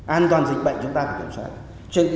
an toàn dịch bệnh chúng ta phải kiểm soát